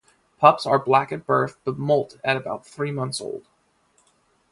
Pups are black at birth, but molt at about three months old.